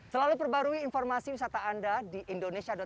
selalu perbarui informasi wisata anda di indonesia